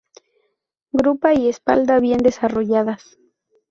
Grupa y espalda bien desarrolladas.